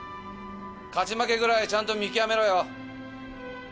勝ち負けぐらいちゃんと見極めろよ。